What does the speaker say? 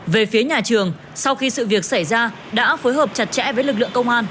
về phía nhà trường sau khi sự việc xảy ra đã phối hợp chặt chẽ với lực lượng công an